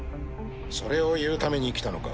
それを言うために来たのか？